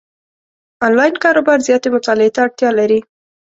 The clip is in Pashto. انلاین کاروبار زیاتې مطالعې ته اړتیا لري،